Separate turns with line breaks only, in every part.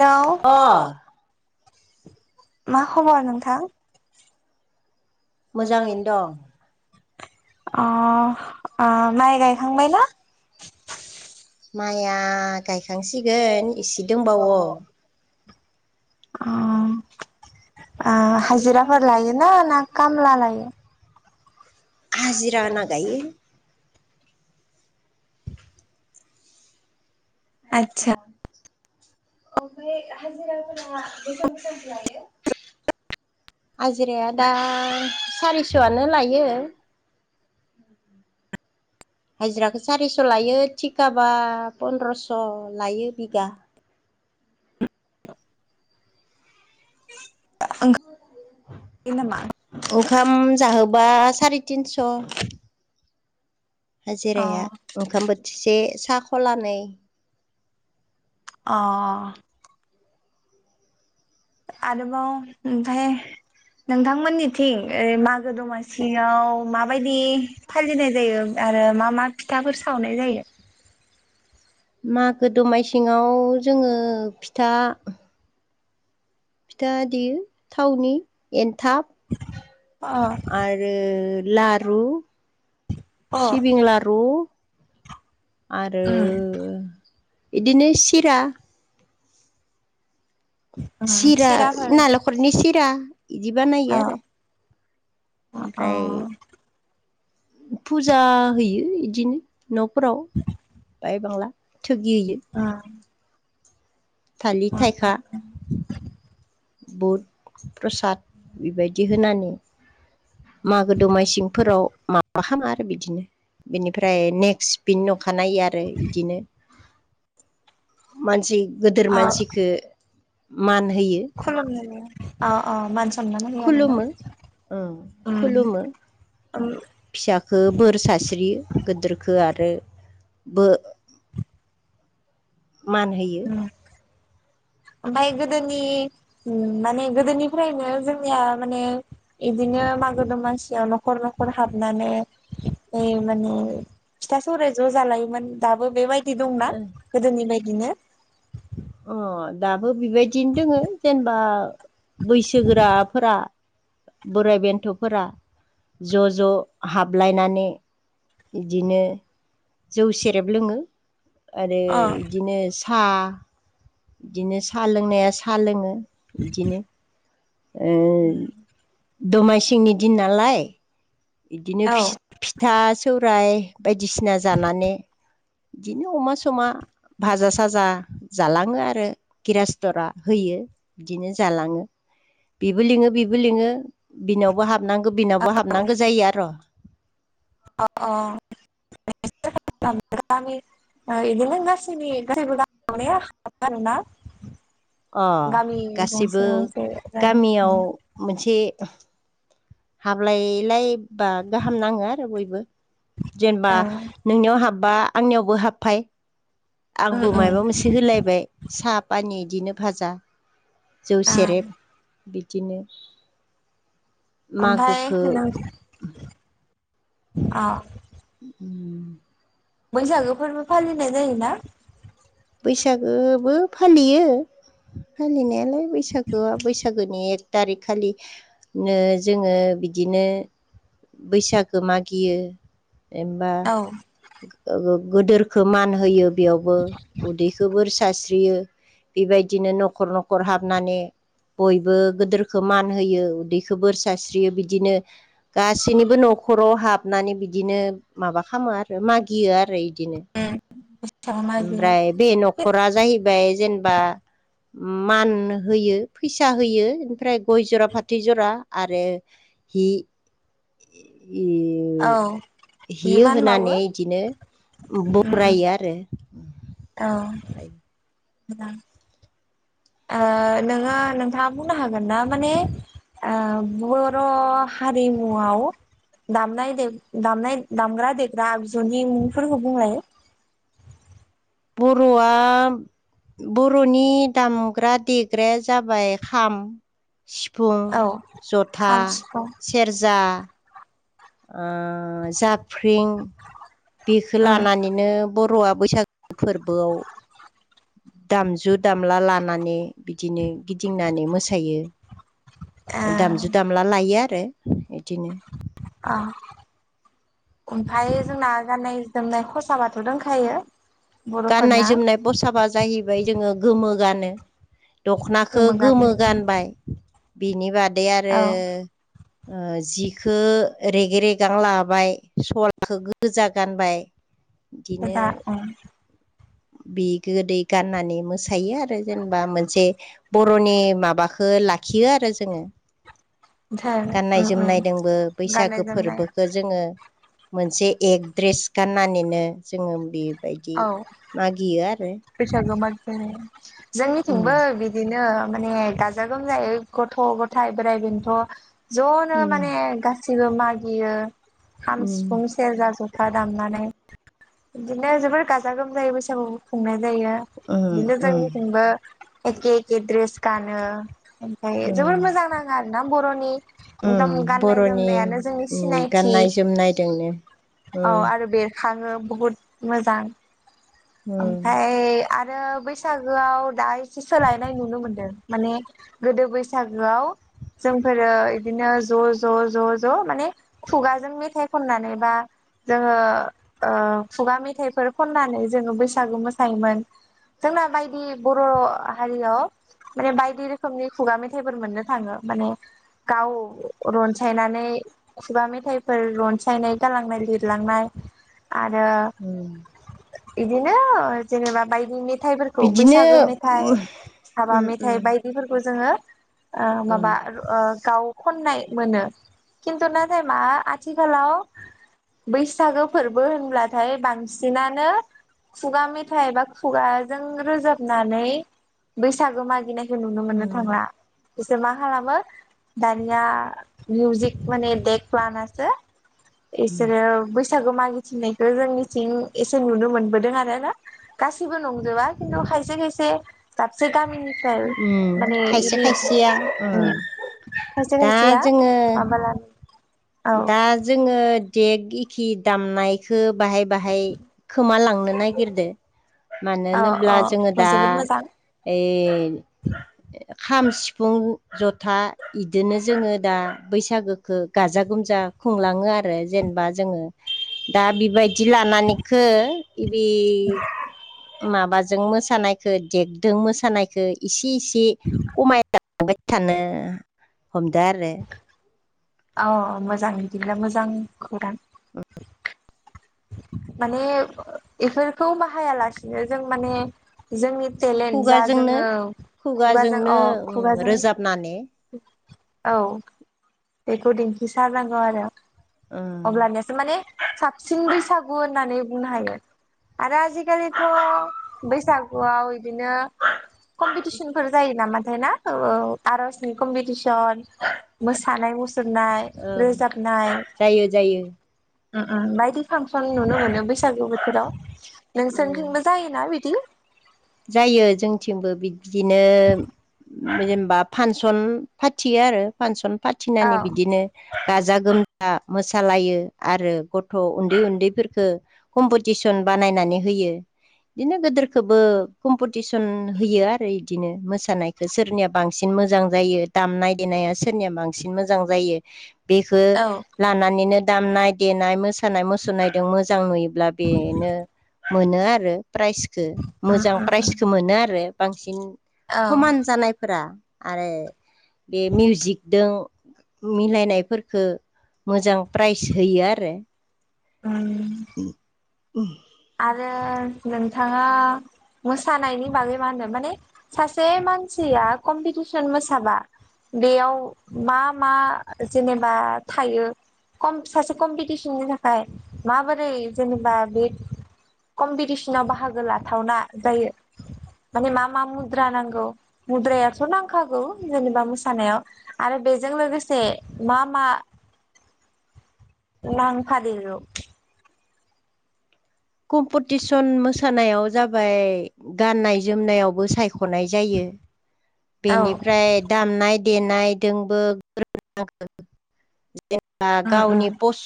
Hello
अ
मा खबर नोंथां?
मोजाङैनो दं
अ ओ माइ गायखांबायना?
माइया गायखांसिगोन एसे दंबावो
अ ओ हाजिराफोर लायो ना ना खामला लायो?
हाजिरा होना गायो।
आदसा
आतसा ओमफ्राय हाजिराफोरा बेसेबां बेसेबां लायो? हाजिराया दा सारिस'आनो लायो उम उम हाजिराखौ सारिस' लायो थिखाबा पन्द्रस' लायो बिगा
[unintelligible] ओंखारो नामा
ओंखाम जाहोबा सारि तिनस'
अ
हाजिराया ओंखाम बोथिसे सा ख'लानै
अ आरोबाव ओमफ्राय नोंथांमोननिथिं ओइ मागो दमासियाव माबायदि फालिनाय जायो? आरो मा मा फिथाफोर सावनाय जायो?
मागो दमा सिङाव जोङो फिथा फिथा देयो थावनि एनथाब
अ
आरो लारु
अ
सिबिं लारु आरो
उम
इदिनो सिरा।
उम
सिरा
सिराफोर
नालेंखरनि सिरा इदि बानायो आरो।
अ अ।
ओमफ्राय फुजा हैयो इदिनो न'फोराव बाय बांला। थुगियो।
अ
थालि थायखा। बुद प्रसाद बेबायदि होनानै मागो दमासिंफोराव माबा खामा आरो बिदिनो बेनिफ्राय नेक्स्ट बिनि उनाव खानायो आरो इदिनो मानसि गोदोर
अ
मानसिखो मान हो
खुलुमनानै अ अ मानसि
खुलुमो ओं
उम
खुलुमो।
ओम
फिसाखो बोर सास्रियो गोदोरखो आरो बो मान होयो।
ओम ओमफाय गोदोनि उम माने गोदोनिफ्रायनो जोंनिया माने इदिनो मागो दमासियाव न'खर न'खर हाबनानै जायो माने फिथा सौराय ज' जालायोमोन दाबो बेबायदि दंना गोदोनि बायदि? दिनो।
अ दाबो बेबायदिनो दोङो जेनेबा बैसोगोराफोरा बोराय बेन्थ'फोरा ज' ज' हाबलायनानै इदिनो जौ सेरेब लोङो आरो
अ
इदिनो हा इदिनो सा लोंनाया सा लोङो इदिनो। ओ दमासिंनि दिन नालाय। इदिनो
औ
फिस फिथा सौराय बायदिसिना जानानै इदिनो अमा समा भाजा साजा जालाङो आरो गिरासथरा होयो बिदिनो जालाङो। बिबो लिङो बिबो लिङो। बिनावबो हाबनांगौ बिनावबो हाबनांगौ जायो आर'।
अ अ।
[inaudible]
[unintelligible] गामि ओ इदिनो गासिनि गैबो [unintelligible] आरोना।
अ
गामि
गासिबो
गंसेयाव जेरै
गामियाव हाबलायलाय बा गाहाम नाङो आरो बयबो जेनबा नोंनियाव हाब बा आंनियावबो हाबफाय
उम
आंबो
उम
माइबा मोनसे होलायबाय साब फानि इदिनो भाजा जौ
ओं
सेरेब बिदिनो।
ओमफाय
मागोखौ
नों अ।
उम।
बैसागो फोरबो फालिनाय जायोना?
बैसागोबो फालियो फालिनायालाय। बैसागोआ बैसागोनि एक थारिक खालि नो जोङो बिदिनो बैसागो मागियो। एबा
औ
गो-गो-गोदोरखो मान होयो बेयावबो। गोबोर सास्रियो बेबायदिनो न'खर न'खर हाबनानै बयबो गोदोरखौ मान होयो उदैखौ बोर सारस्रियो बिदिनो गासैनिबो न' खर'आव हाबनानै बिदिनो माबा खामो आरो मागियो आरो इदिनो।
उम बैसागु मागियो
ओमफ्राय बे न'खरा जाहैबाय जेनबा मान होयो फैसा होयो इनिफ्राय गय जरा फाथै जरा आरो हि इयो
औ
हियो
बिमान बावो
होनानै इदिनो
उम उम
बरायो आरो।
औ गोदान ओ नोङो नोंथाङा बुंनो हागोन ना माने ओ बर' हारिमुआव दामनाय देव दामनाय दामग्रा देग्रा आगजुनि मुंफोरखौ बुंलाय।
बर'आ बर'नि दामग्रा देग्राया जाबाय खाम सिफुं,
औ
जथा,
खाम सिफुं
सेरजा, ओ जाफ्रिं बेखो
उम
लानानैनो बर'आ बैसागु फोरबोआव दामजु दामला लानानै बिदिनो गिदिंनानै मोसायो।
ओ
दामजु दामला लायो आरो बिदिनो।
आ ओमफाय जोंना गाननाय जोमनाय खसाबाथ' दोंखायो।
गाननाय
बर'फोरना
जोमनाय फसाबा जाहैबाय जोङो गोमो गानो दख'नाखौ गोमो गानबाय बिनि बादै आरो
औ
ओ जिखो रेगे रेगां लाबाय सलाखो गोजा गानबाय इदिनो
दा उ।
बि गोदै गाननानै मोसायो आरो जेनेबा मोनसे बर'नि माबाखो लाखियो आरो जोङो।
धोन
गाननाय
उम उम
जोमनायदोंबो
गाननाय
बैसागो
जोमनाय
फोरबोखौ जोङो मोनसे एक द्रेस गाननानैनो जोङो बे
औ। बैसागु मागिनानै।
उम
जोंनिथिंबो बिदिनो माने गाजा गोमजायै गथ' गथाय बोराइ बेन्थ' ज'नो
उम
माने गासिबो मागियो खाम,
उम
सिफुं, सेरजा, जथा दामनानै। बिदिनो जोबोर गाजा गोमजायै बैसागु खुंनाय जायो।
उम
बिदिनो
उम
जोंथिंबो एखे एखे द्रेस गानो ओमफ्राय जोबोर
उम
मोजां नाङो आरो ना बर'नि एकदम
उम
गाननाय
बर'नि
जोमनायानो जोंनि
उम
सिनायथि
गाननाय जोमनायजोंनो
औ
उम
आरो बेरखाङो बहुद मोजां
उम
ओमफाय आरो बै बैसागोआव दा एसे सोलायनाय नुनो मोनदों। माने गोदो बैसागोआव जोंफोरो इदिनो ज' ज' ज' ज' माने खुगाजों मेथाइ खनानै बा जोङो ओ खुगा मेथाइफोर खनानै जोङो बैसागु मोसायोमोन। जोंना बायदि बर' हारियाव माने बायदि रोखोमनि खुगा मेथाइफोर मोननो थाङो माने गाव रनसायनानै खुगा मेथाइफोर रनसायनाय गालांनाय लिरलांनाय आरो
उम
इदि ओ जेनेबा बायदि मेथाइफोरखौ
बिदिनो
बैसागु मेथाइ हाबा
उम
मेथाइ
उम
बायदिफोरखौ जोङो ओ
उम
माबा ओ गाव खननाय मोनो। खिन्थु नाथाय मा आथिखालाव बैसागो फोरबो होनब्लाथाय बांसिनानो खुगा मेथाइ बा खुगाजों रोजाबनानै बैसागो मागिनाय नुनो मोननो
उम
थांला। एसोर मा खालामो दानिया मिउजिक माने देख लानासो इसोरो बैसागु मागिथिंनायखौ जोंनिथिं एसे नुनो मोनबोदों आरो ना गासिबो नंजोबा खिन्थु खायसे खायसे दाबसे गामिनिफ्राय
उम
माने
खायसे
बि
खायसेया उ
खायसे
दा
खायसेया
जोङो
माबालानो औ
दा जोङो देग एखि दामनायखौ बाहाय बाहाय खोम लांनो नागिरदों मानो
औ
होनोब्ला
औ
जोङो दा
जोबोद मोजां
ओइ खाम सिफुं जथा इदिनो जोङो दा बैसागोखौ गाजा गोम जा खुंलाङो आरो जेनेबा जोङो दा बेबायदि लानानैखो इबि माबाजों मोसानायखौ देगजों मोसानायखौ इसे इसे ए खमायलांबाय थानो हमदो आरो
औ मोजां बिदिब्ला मोजां खौरां माने बेफोरखौ बाहायालासिनो जों माने जोंनि टेलेन्ट जा
खुगाजोंनो
जोङो खुगाजों
खुगाजोंनो
अ
उम
खुगाजों
रोजाबनानै
औ बेखौ दिन्थिसारनांगौ आरो
ओं
अब्लानियासो माने साबसिन बैसागु होननानै बुंनो हायो। आरो आजिखालिथ' बैसागुआव बिदिनो कम्पिटिसनफोर जायो नामाथाय ना ओ आर'जनि कमपिटिसन [unintelligible] मोसानाय मुसुरनाय
ओं
रोजाबनाय
जायो जायो
उ उम बायदि फांसन नुनो मोनो बैसागु बोथोराव
ओं
नोंसोरनिथिंबो जायोना बिदि?
जायो जोंथिंबो बि बिदिनो जेनेबा फांसन फाथियो आरो फांसन
औ
फाथिनानै बिदिनो गाजा गोम थां मोसालायो आरो गथ' उन्दै उन्दैफोरखौ कम्पिटिसन बानायनानै होयो होयो बिदिनो गोदोरखौबो कमपिटिसन होयो आरो इदिनो मोसानायखौ सोरनिया बांसिन मोजां जायो दामनाय देनाय [unintelligible] सोरनिया बांसिन मोजां जायो बेखौ
औ
लानानैनो दामनाय देनाय मोसानाय मुसुरनायजों मोजां नुयो ब्ला बेनो मोनो आरो प्राइजखौ मोजां प्राइजखौ मोनो आरो बांसिन
औ
समान जानायफोरा आरो बे मिउजिकजों मिलायनायफोरफोरखौ मोजां प्राइज होयो आरो
उ [inaudible]
[inaudible]
आरो नोंथाङा मोसानायनि बागै मा होनो माने सासे मानसिया कम्पिटिसन मोसाबा बेयाव मा मा जेनेबा थायो? कम सासे कम्पिटिसननि थाखाय माबोरै जेनेबा बे कम्पिटिसनाव बाहागो लाथावना जायो माने मा मा मुद्रा नांगौ मुद्रायाथ' नांखागौ जेनेबा मोसानायाव आरो बेजों लोगोसे मा मा नांफादेरो?
कम्पिटिसन मोसानायाव जाबाय गाननाय जोमनायावबो साय खनाय जायो
औ
बेनिफ्राय दामनाय देनायजोंबो [unintelligible] जेनेबा
उम उम
गावनि बस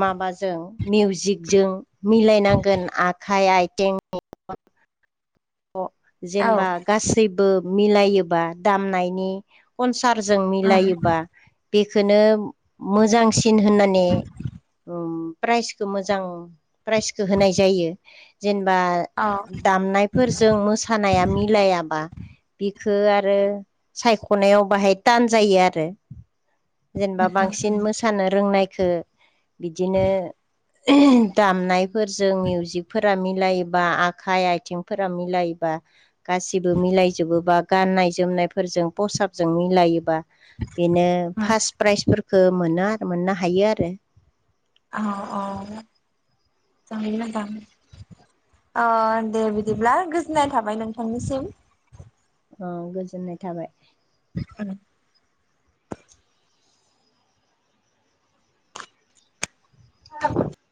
माबाजों मिउजिकजों मिलायनांगौ गोन आखाइ आइथिन [unintelligible]
औ
जेनेबा गासैबो मिलायोबा दामनायनि सारजों
उम
मिलायोबा बेखौनो मोजांसिन सिन होननानै प्राइजखौ मोजां प्राइजखौ होनाय जायो। जेनेबा
औ
दामनायफोरजों मोसानाया मिलायाबा बिखो आरो सायख'नायाव बाहाय थान जायो आरो जेनेबा बांसिन मोसानो रोंनायखौ बिदिनो दामनायफोरजों मिउजिकफोरा मिलायोबा आखाइ आथिं फोर मिलायबा गासिबो मिलायजोबोबा गाननाय जोमनायफोरजों फसाबजों मिलायोबा बेनो
उम
फार्स्ट प्राइजफोरखौ खौ मोनो आरो मोननो हायो आरो
औ औ जोबोद मोजां अ दे बिदिब्ला गोजोननाय थाबाय नोंथांनिसिम
औ गोजोननाय थाबाय
उम [unintelligible]